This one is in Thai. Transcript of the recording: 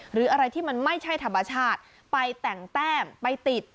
หรืออะไรที่มันไม่ใช่ธรรมชาติไปแต่งแต้มไปติด